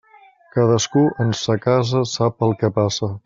Cadascú en sa casa sap el que passa.